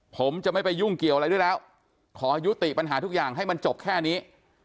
ผมจะไม่ไปยุ่งเกี่ยวอะไรด้วยแล้วขอยุติปัญหาทุกอย่างให้มันจบแค่นี้